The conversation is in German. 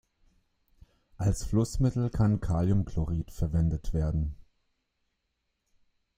Als Flussmittel kann Kaliumchlorid verwendet werden.